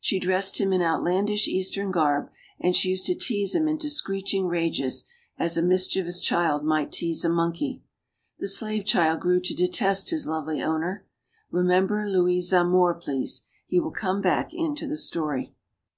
She dressed him in out landish Eastern garb, and she used to tease him into screeching rages, as a mischievous child might tease a monkey. The slave child grew to detest his lovely owner. Remember Louis Zamore, please. He will come back into the story.